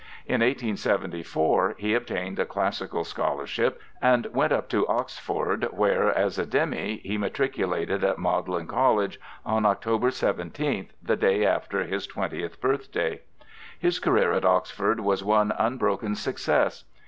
In 1874 he obtained a classical scholarship, and went up to Oxford, where, as a demy, he matriculated at Magdalen College on October 17th, the day after his twentieth birthday. His career at Oxford was one unbroken success.